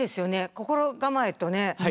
心構えとね